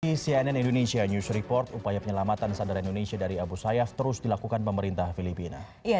di cnn indonesia news report upaya penyelamatan saudara indonesia dari abu sayyaf terus dilakukan pemerintah filipina